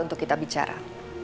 untuk kita bicara